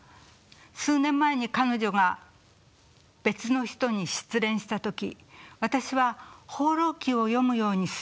数年前に彼女が別の人に失恋した時私は「放浪記」を読むように薦めました。